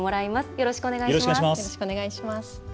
よろしくお願いします。